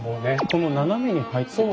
この斜めに入った線。